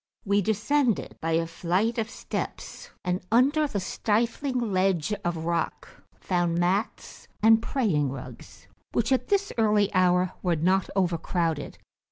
We descended by a flight of steps, and under the stifling ledge of rock found mats and praying rugs, which, at this early hour, were not overcrowded.